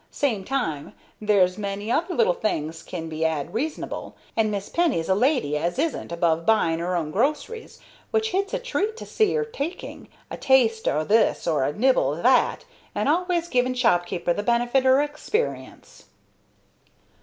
Same time, there's many other little things can be 'ad reasonable, and Miss Penny's a lady as isn't above buying 'er own groceries, which hit's a treat to see 'er taking, a taste of this or a nibble at that, and always giving shopkeeper the benefit of 'er hexperience."